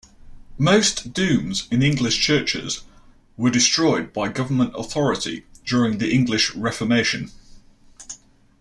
Most dooms in English churches were destroyed by government authority during the English Reformation.